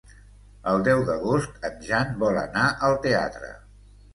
El deu d'agost en Jan vol anar al teatre.